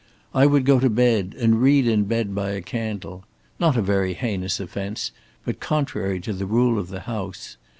I would go to bed and read in bed by a candle. Not a very heinous offence, but contrary to the rule of the house.